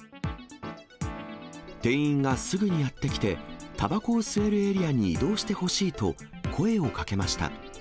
店員がすぐにやって来て、たばこを吸えるエリアに移動してほしいと声をかけました。